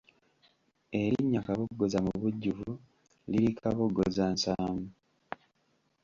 Erinnya Kaboggoza mu bujjuvu liri Kaboggozansaamu.